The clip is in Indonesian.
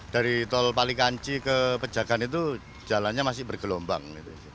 dari tol palikanci ke pejagan itu jalannya masih bergelombang